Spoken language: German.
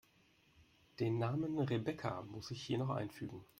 Den Namen Rebecca muss ich hier noch einfügen.